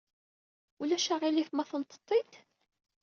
Ulac aɣilif ma tenneneḍ-t-id?